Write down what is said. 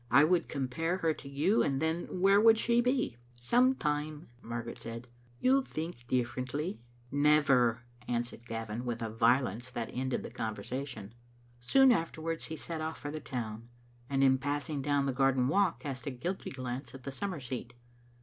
I WQuld compare her to you, and then where would she be?" Digitized by VjOOQ IC XCbe Tinioman Con6idere{> in Vbecnu. 86 '* Sometime," Margaret said, "you'll think differ ently." " Never," answered Gavin, with a violence that ended the conversation. Soon afterwards he set off for the town, and in pass ing down the garden walk cast a guilty glance at the summer seat.